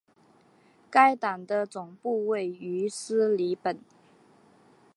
该党的总部位于里斯本。